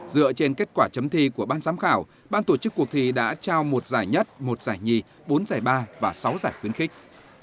dựa trên kết quả chấm thi của ban giám khảo ban tổ chức cuộc thi đã trao một giải nhất một giải nhì bốn giải ba và sáu giải khuyến khích